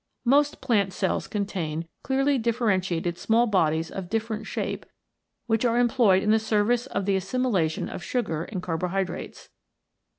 Most plant cells contain clearly differentiated small bodies of different shape which are employed in the service of the assimilation of sugar and carbohydrates.